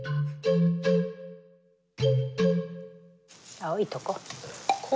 青いとこ。